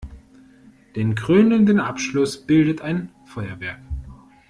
Den krönenden Abschluss bildet ein Feuerwerk.